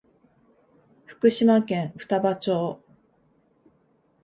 福島県双葉町